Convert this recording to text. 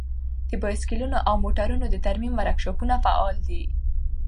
د بايسکلونو او موټرونو د ترمیم ورکشاپونه فعال دي.